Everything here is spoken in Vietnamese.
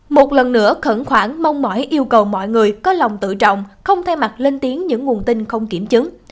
một lần nữa khẩn khoản mong mỏi yêu cầu mọi người có lòng tự trọng không thay mặt lên tiếng những nguồn tin không kiểm chứng